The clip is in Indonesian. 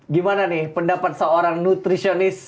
gimana nih pendapat seorang nutrisionis